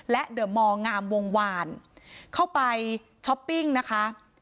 และเดอร์มอร์งามวงวานเข้าไปช้อปปิ้งนะคะ